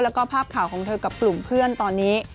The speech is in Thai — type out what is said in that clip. แล้วก็ภาพข่าวของเธอกับกลุ่มเพื่อนตอนนี้